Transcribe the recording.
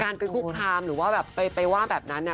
การไปคุกคามหรือว่าไปว่าแบบนั้น